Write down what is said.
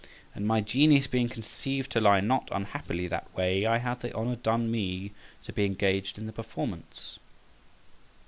And my genius being conceived to lie not unhappily that way, I had the honour done me to be engaged in the performance.